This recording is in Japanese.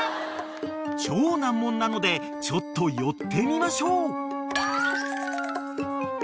［超難問なのでちょっと寄ってみましょう］